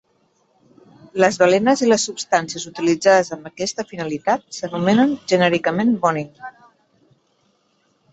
Les balenes, i les substàncies utilitzades amb aquesta finalitat, s'anomenen genèricament "boning".